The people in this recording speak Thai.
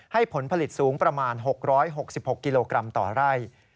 ผลผลิตสูงประมาณ๖๖กิโลกรัมต่อไร่